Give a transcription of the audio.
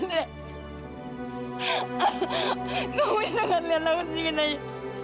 kamu bisa gak lihat aku sendiri